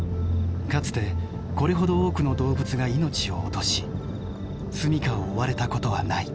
かつてこれほど多くの動物が命を落とし住みかを追われたことはない。